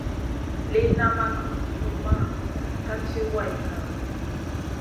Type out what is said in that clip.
Lìna ma na guzumah sumun ka ci way kalamu.